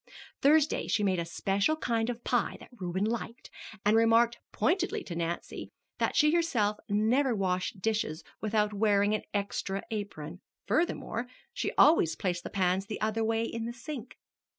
Thursday she made a special kind of pie that Reuben liked, and remarked pointedly to Nancy that she herself never washed dishes without wearing an extra apron; furthermore, she always placed the pans the other way in the sink.